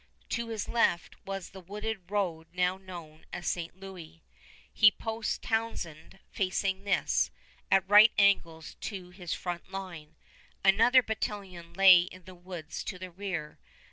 To his left was the wooded road now known as St. Louis. He posts Townshend facing this, at right angles to his front line. Another battalion lay in the woods to the rear.